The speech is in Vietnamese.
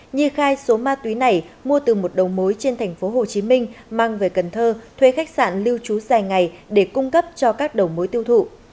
nhi khai số ma túy này mua từ một đầu mối trên tp hcm mang về cần thơ thuê khách sạn lưu trú dài ngày để cung cấp cho các đầu mối tiêu thụ